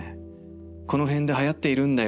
このへんで流行っているんだよ